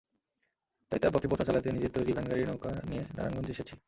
তাই তাঁর পক্ষে প্রচার চালাতে নিজের তৈরি ভ্যানগাড়ির নৌকা নিয়ে নারায়ণগঞ্জে এসেছি।